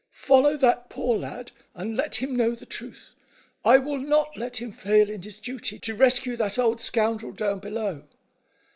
"Follow that poor lad, and let him know the truth. I will not let him fail in his duty, to rescue that old scoundrel down below."